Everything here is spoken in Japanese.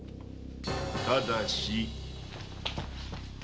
ただし。